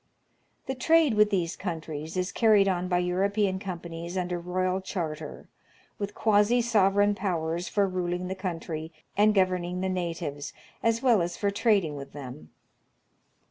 Africa^ its Past and Future. 109 The trade with these countries is carried on by European com panies under royal charter, with quasi sovei eign powers for ruling the country and governing the natives, as well as for trading with them.